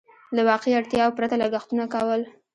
له واقعي اړتياوو پرته لګښتونه کول.